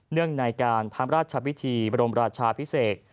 เนื่องในการพังราชาพิธีบรมราชาพิเศษ